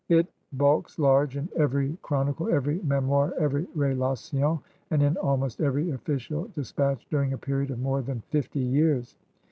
It bulks large in every chroni cle, every memoir, every BMation^ and in almost every o£Bicial dispatch during a period of more than fifty years.